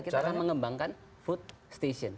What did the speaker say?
kita akan mengembangkan food station